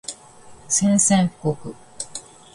宣戦布告